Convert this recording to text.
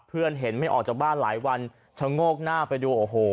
เห็นไม่ออกจากบ้านหลายวันชะโงกหน้าไปดูโอ้โห